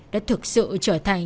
đã thực sự trở thành